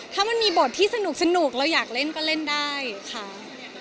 ถ้ามันมีบทที่สนุกเราอยากเล่นก็เล่นได้ค่ะ